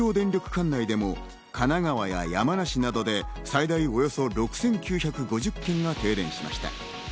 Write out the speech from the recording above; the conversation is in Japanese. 管内でも、神奈川や山梨などで最大およそ６９５０軒が停電しました。